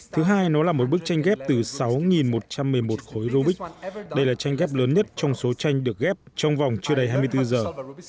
thứ hai nó là một bức tranh ghép từ sáu một trăm một mươi một khối rubik đây là tranh ghép lớn nhất trong số tranh được ghép trong vòng chưa đầy hai mươi bốn giờ